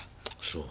そう。